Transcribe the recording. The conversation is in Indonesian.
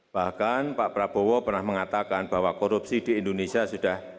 bahkan pak prabowo pernah mengatakan bahwa korupsi di indonesia sudah